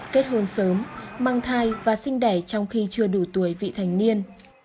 kết hôn sớm mang thai và sinh đẻ trong khi chưa đủ tuổi vị thành niên